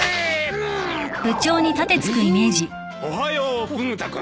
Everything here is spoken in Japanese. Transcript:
おはようフグ田君。